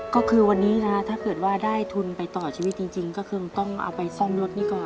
ก็คือวันนี้นะถ้าเกิดว่าได้ทุนไปต่อชีวิตจริงก็คือต้องเอาไปซ่อมรถนี้ก่อน